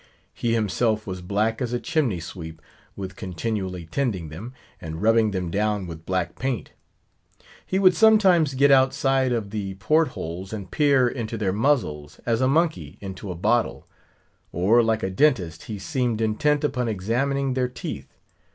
He himself was black as a chimney sweep with continually tending them, and rubbing them down with black paint. He would sometimes get outside of the port holes and peer into their muzzles, as a monkey into a bottle. Or, like a dentist, he seemed intent upon examining their teeth.